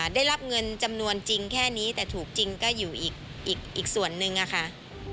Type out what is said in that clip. ได้รับเงินจำนวนจริงแค่นี้แต่ถูกจริงก็อยู่อีกส่วนนึงอะค่ะ